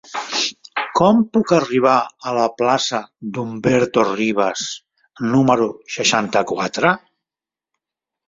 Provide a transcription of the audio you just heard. Com puc arribar a la plaça d'Humberto Rivas número seixanta-quatre?